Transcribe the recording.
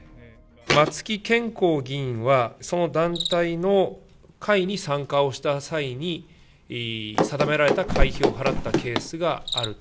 松木謙公議員は、その団体の会に参加をした際に、定められた会費を払ったケースがある。